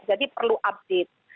jadi perlu update